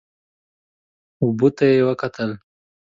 اوبو ته یې وکتل.